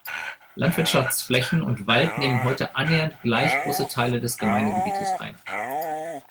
Landwirtschaftsflächen und Wald nehmen heute annähernd gleich große Teile des Gemeindegebietes ein.